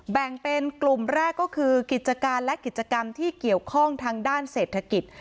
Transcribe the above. แบ่งเป็นกลุ่มแรกก็คือกิจการและกิจกรรมที่เกี่ยวข้องทางด้านเศรษฐกิจ